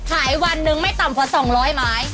ขายวันนึงไม่ต่ำพอสองร้อยมั้ย